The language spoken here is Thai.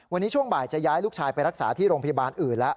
วันนี้ช่วงบ่ายจะย้ายลูกชายไปรักษาที่โรงพยาบาลอื่นแล้ว